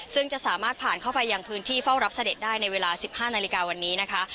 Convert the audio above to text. ซึ่งจะสามารถผ่านเข้าไปยังพื้นที่เฝ้ารับเสด็จได้ในเวลา๑๕นาฬิกาวันนี้นะคะ